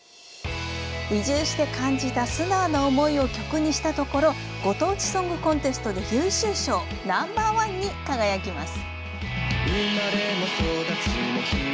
移住して感じた素直な思いを曲にしたところご当地ソングコンテストで優秀賞、ナンバーワンに輝きます。